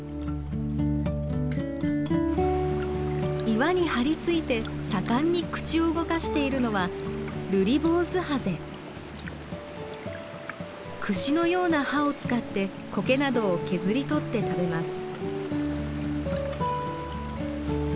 岩に張り付いて盛んに口を動かしているのは櫛のような歯を使ってコケなどを削り取って食べます。